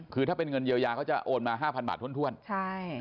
คือถ้าเป็นเงินเยียวยาเขาจะโอนมา๕๐๐บาทถ้วน